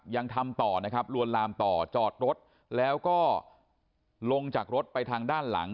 ยังทำต่อนะครับลวนลามต่อจอดรถแล้วก็ลงจากรถไปทางด้านหลัง